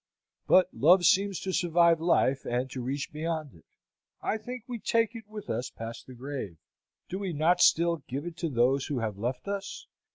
But love seems to survive life, and to reach beyond it. I think we take it with us past the grave. Do we not still give it to those who have left us?